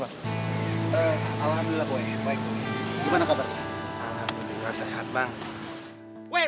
alhamdulillah saya baik baik